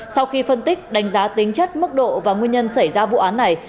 sau khi phân tích đánh giá tính chất mức độ và nguyên nhân xảy ra vụ án này